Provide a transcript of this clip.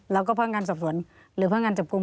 แล้วก็พ่องานสับสนหรือพ่องานจับกุม